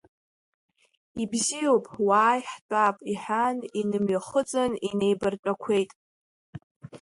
Ибзиоуп, уааи, ҳтәап, — иҳәан, инымҩахыҵын инеибартәақәеит.